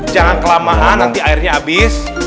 jangan kelamaan nanti airnya habis